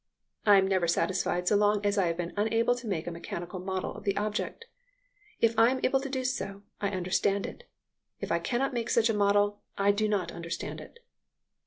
I am never satisfied so long as I have been unable to make a mechanical model of the object. If I am able to do so, I understand it. If I cannot make such a model, I do not understand it."